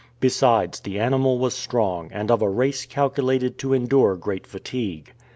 Besides, the animal was strong, and of a race calculated to endure great fatigue.